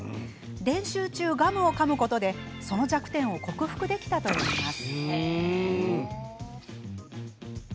練習中、ガムをかむことでその弱点を克服できたといいます。